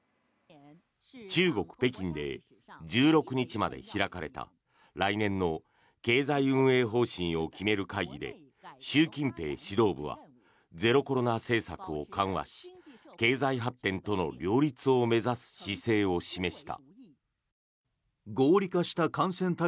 中国・北京で１６日まで開かれた来年の経済運営方針を決める会議で習近平指導部はゼロコロナ政策を緩和し経済発展との両立を目指す姿勢を示した。